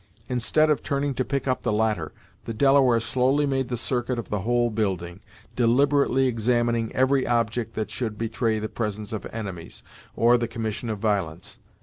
Instead of turning to pick up the latter, the Delaware slowly made the circuit of the whole building, deliberately examining every object that should betray the presence of enemies, or the commission of violence.